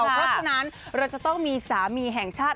เพราะฉะนั้นเราจะต้องมีสามีแห่งชาติ